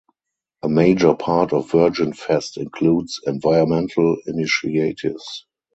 A major part of Virgin Fest includes environmental initiatives.